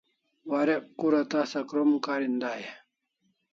Warek kura tasa krom karin dai e?